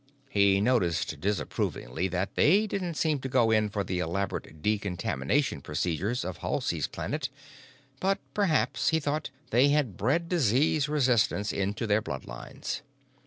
He noticed disapprovingly that they didn't seem to go in for the elaborate decontamination procedures of Halsey's Planet, but perhaps, he thought, they had bred disease resistance into their bloodlines.